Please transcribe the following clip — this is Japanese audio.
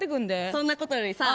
そんなことよりさ